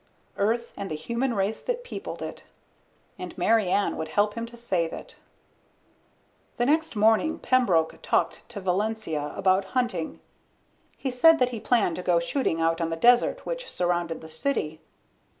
Earth and the human race that peopled it. And Mary Ann would help him to save it. The next morning Pembroke talked to Valencia about hunting. He said that he planned to go shooting out on the desert which surrounded the city.